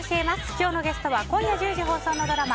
今日のゲストは今夜１０時放送のドラマ